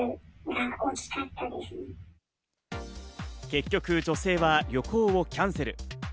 結局、女性は旅行をキャンセル。